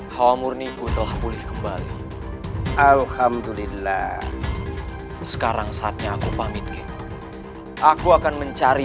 hawa murniku telah pulih kembali alhamdulillah sekarang saatnya aku pamit aku akan mencari